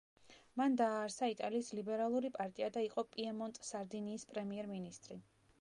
მან დააარსა იტალიის ლიბერალური პარტია და იყო პიემონტ-სარდინიის პრემიერ-მინისტრი.